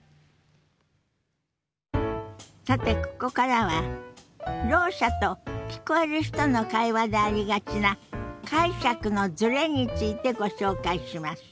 さてここからはろう者と聞こえる人の会話でありがちな解釈のズレについてご紹介します。